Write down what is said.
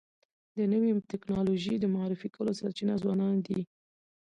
د نوي ټکنالوژۍ د معرفي کولو سرچینه ځوانان دي.